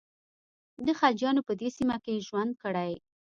د خلجیانو په دې سیمه کې ژوند کړی.